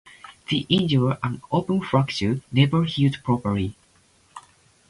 The injury, an open fracture, never healed properly.